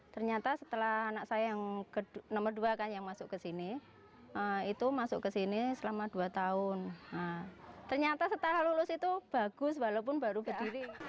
ternyata setelah lulus itu bagus walaupun baru berdiri